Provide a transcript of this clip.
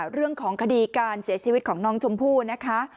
เรื่องของคดีการเสียชีวิตของน้องชมพู่นะคะ